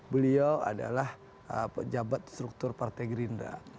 beliau adalah pejabat struktur partai gerindra